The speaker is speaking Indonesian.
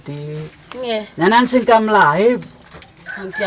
mereka ini menang tetapi terlalu banyak davan